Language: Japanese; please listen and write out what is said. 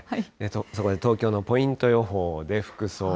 そこで東京のポイント予想で服装。